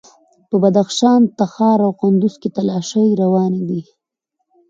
په بدخشان، تخار او کندوز کې تالاشۍ روانې وې.